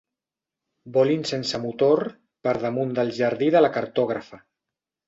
Volin sense motor per damunt del jardí de la cartògrafa.